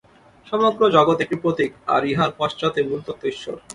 সমগ্র জগৎ একটি প্রতীক, আর ইহার পশ্চাতে মূলতত্ত্ব ঈশ্বর।